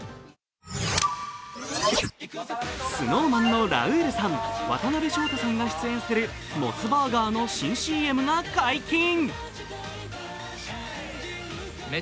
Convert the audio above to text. ＳｎｏｗＭａｎのラウールさん渡辺翔太さんが出演する、モスバーガーの新ＣＭが解禁。